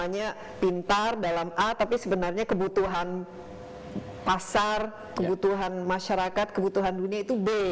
misalnya pintar dalam a tapi sebenarnya kebutuhan pasar kebutuhan masyarakat kebutuhan dunia itu b